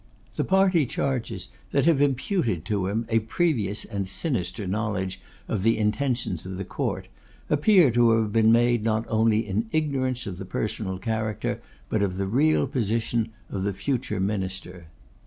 The party charges that have imputed to him a previous and sinister knowledge of the intentions of the Court, appear to have been made not only in ignorance of the personal character, but of the real position, of the future minister.